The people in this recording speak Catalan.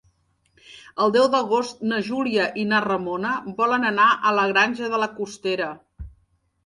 El deu d'agost na Júlia i na Ramona volen anar a la Granja de la Costera.